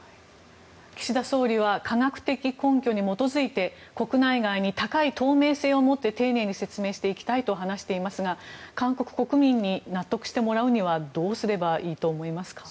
岸田総理は科学的根拠に基づいて国内外に高い透明性を持って丁寧に説明していきたいと話していますが韓国国民に納得してもらうにはどうしたらいいと思いますか？